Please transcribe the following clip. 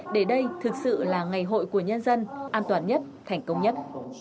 để đây thực sự là ngày hội của nhân dân an toàn nhất thành công nhất